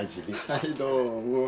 はいどうも。